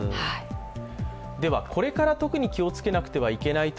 ではこれから特に気をつけていかなくてはいけないのは